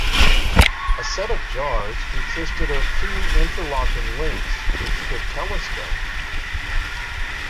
A set of jars consisted of two interlocking links which could telescope.